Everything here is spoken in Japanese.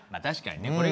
確かにね。